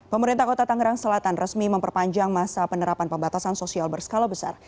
pemerintah kota tangerang selatan resmi memperpanjang masa penerapan pembatasan sosial berskala besar